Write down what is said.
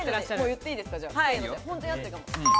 本当に合ってるかも。